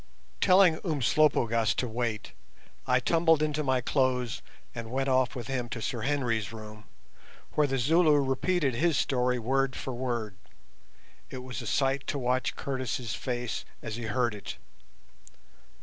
Telling Umslopogaas to wait, I tumbled into my clothes and went off with him to Sir Henry's room, where the Zulu repeated his story word for word. It was a sight to watch Curtis' face as he heard it.